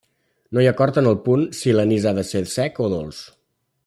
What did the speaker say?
No hi ha acord en el punt si l'anís ha de ser sec o dolç.